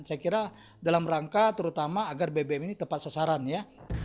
saya kira dalam rangka terutama agar bbm ini tepat sasaran ya